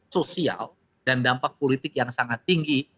sosial dan dampak politik yang sangat tinggi